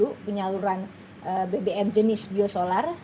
dan juga penyaluran bbm jenis biosolar dan juga penyaluran bbm jenis biosolar